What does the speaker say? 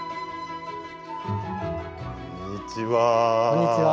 こんにちは。